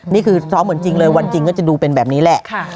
นี่คือซ้อมเหมือนจริงเลยวันจริงก็จะดูเป็นแบบนี้แหละ